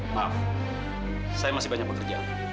maaf saya masih banyak bekerja